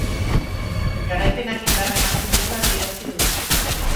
Garaipenak indarra ematen diola adierazi du.